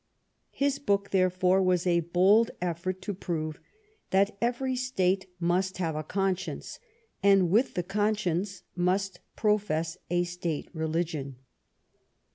His book, there fore, was a bold effort to prove that every State must have a conscience, and with the conscience must profess a State religion.